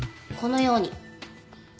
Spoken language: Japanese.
このように。